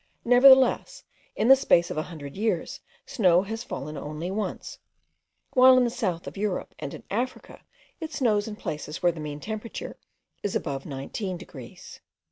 nevertheless, in the space of a hundred years snow has fallen only once, while in the south of Europe and in Africa it snows in places where the mean temperature is above 19 degrees.